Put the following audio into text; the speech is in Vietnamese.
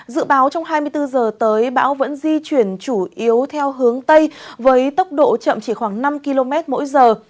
dự báo trong hai mươi bốn giờ tới bão vẫn di chuyển chủ yếu theo hướng tây với tốc độ chậm chỉ khoảng năm km mỗi giờ